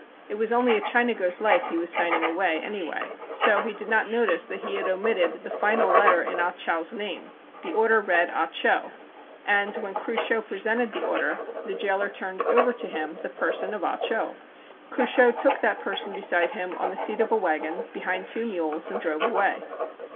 It was only a Chinago's life he was signing awav, amnvay. So he did not notice that he had omitted the final letter in Ah Chow's name. The order read "Ah Cho," and, w^hen Cruchot presented the order, the jailer turned over to him the person of Ah Cho. I70 THE CHINAGO Cruchot took that person beside him on the seat of a wagon, behind two mules, and drove away.